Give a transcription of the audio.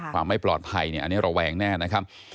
ไม่ปลอดภัยอันนี้ระแวงแน่นะครับ